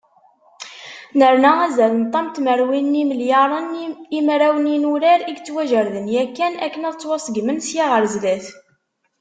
Nerna azal n ṭam tmerwin n yimelyaren i mraw n yinurar i yettwajerden yakan akken ad ttwaṣegmen sya ɣar sdat.